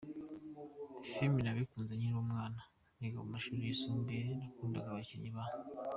filimi nabikunze nkiri umwana, niga mu mashuri yisumbuye nakundaga abakinnyi ba.